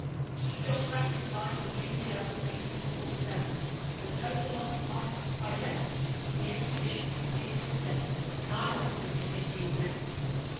Sir John Franklin died on June 11, 1847, and the total loss of life by death in the expedition has been to this date nine officers and fifteen men.